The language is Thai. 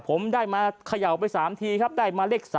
ผมได้มาเขย่าไป๓ทีครับได้มาเลข๓